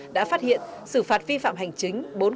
đã phát hiện xử phạt vi phạm hành chính